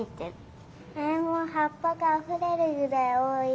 もうはっぱがあふれるぐらいおおい。